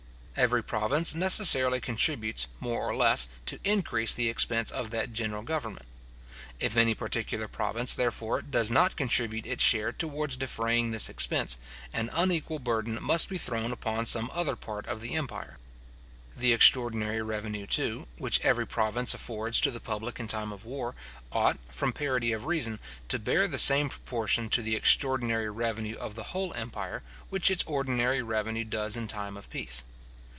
Every province necessarily contributes, more or less, to increase the expense of that general government. If any particular province, therefore, does not contribute its share towards defraying this expense, an unequal burden must be thrown upon some other part of the empire. The extraordinary revenue, too, which every province affords to the public in time of war, ought, from parity of reason, to bear the same proportion to the extraordinary revenue of the whole empire, which its ordinary revenue does in time of peace.